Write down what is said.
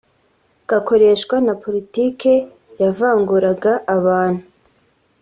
kakoreshwa na politiki yavanguraga abantu